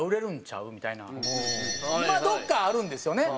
みたいなのまあどっかあるんですよね。